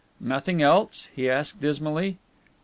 "Nothing else?" he asked dismally.